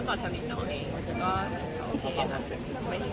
ถ้าเรามาถึงตุ๊กก็มีคนกดแผ่นหัวเอง